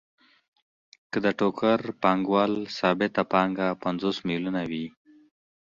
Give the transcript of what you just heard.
که د ټوکر پانګوال ثابته پانګه پنځوس میلیونه وي